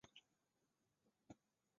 人称三娘子。